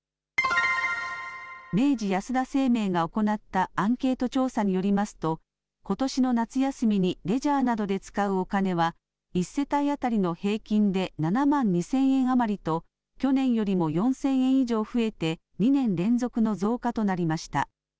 明治安田生命が行ったアンケート調査によりますと、ことしの夏休みにレジャーなどで使うお金は、１世帯当たりの平均で７万２０００円余りと、去年よりも４０００円以上増えて、２年連続の増加となりました。